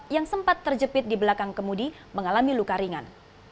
yang sempat terjepit di belakang kemudi mengalami luka ringan